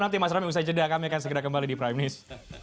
nanti mas ram usai jeda kami akan segera kembali di prime news